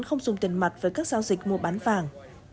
không dùng tiền mặt với các giao dịch mua bán vàng